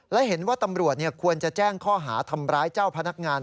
และเห็นว่าตำรวจควรจะแจ้งข้อหาทำร้ายเจ้าพนักงาน